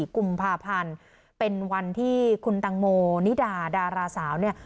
กุมภาพันธ์เป็นวันที่คุณตังโมนิดาดาราสาวเนี่ย